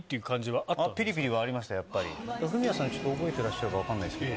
フミヤさん覚えてらっしゃるか分かんないですけど